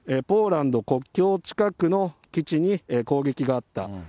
ポーランド国境近くの基地に攻撃があった。